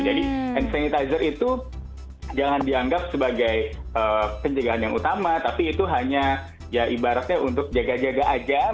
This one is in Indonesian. jadi hand sanitizer itu jangan dianggap sebagai penjagaan yang utama tapi itu hanya ya ibaratnya untuk jaga jaga aja